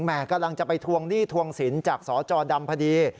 กำลังจะไปทวงหนี้ทวงศิลป์จากสจดำพอดี